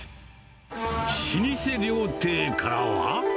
老舗料亭からは。